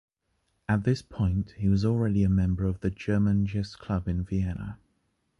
At this point, he was already a member of the ‘German Chess Club in Vienna.‘’